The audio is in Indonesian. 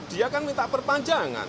dia kan minta perpanjangan